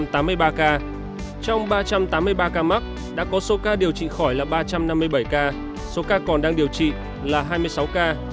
trong ba trăm tám mươi ba ca mắc đã có số ca điều trị khỏi là ba trăm năm mươi bảy ca số ca còn đang điều trị là hai mươi sáu ca